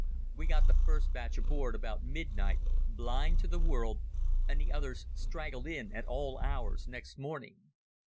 We got the first batch aboard about midnight, blind to the world, and the others straggled in at all hours next morning.